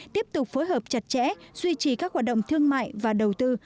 tiếp tục phối hợp chặt chẽ duy trì các hoạt động thương mại và đầu tư